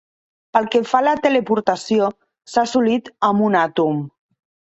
Pel que fa a la teleportació, s’ha assolit, amb un àtom.